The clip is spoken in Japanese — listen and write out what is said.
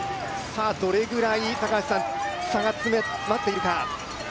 どれぐらい差が詰まっているか。